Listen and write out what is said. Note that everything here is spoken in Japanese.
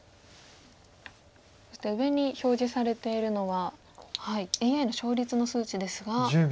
そして上に表示されているのはＡＩの勝率の数値ですが。